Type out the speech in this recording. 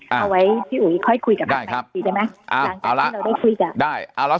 เอาไว้พี่อุ๋ยค่อยคุยกับพระศักดิ์สิได้ไหม